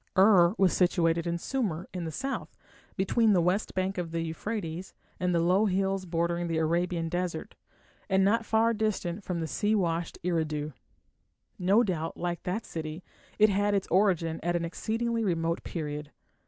Ur was situated in Sumer, in the south, between the west bank of the Euphrates and the low hills bordering the Arabian desert, and not far distant from sea washed Eridu. No doubt, like that city, it had its origin at an exceedingly remote period.